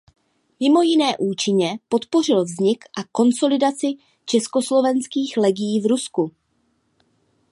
Mimo jiné účinně podpořil vznik a konsolidaci československých legií v Rusku.